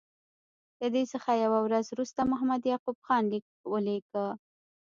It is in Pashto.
له دې څخه یوه ورځ وروسته محمد یعقوب خان لیک ولیکه.